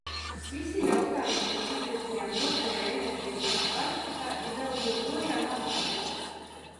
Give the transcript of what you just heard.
Visi jautājumi, ko izvirzījām Otrajā enerģētikas pārskatā, ir vēl joprojām aktuāli.